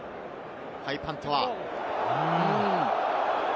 ハイパントは。